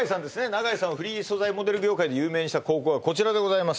永井さんをフリー素材モデル業界で有名にした広告がこちらでございます